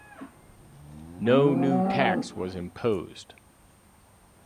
No new tax was imposed.